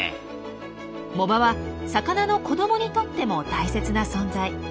藻場は魚の子どもにとっても大切な存在。